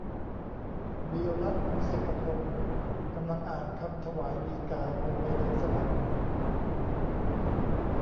วีระ มุกสิกพงษ์ กำลังอ่านคำถวายฎีกา บนเวทีสนามหลวง